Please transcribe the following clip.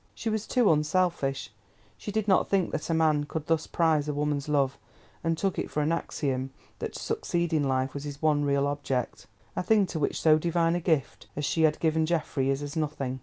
She was too unselfish; she did not think that a man could thus prize a woman's love, and took it for an axiom that to succeed in life was his one real object—a thing to which so divine a gift as she had given Geoffrey is as nothing.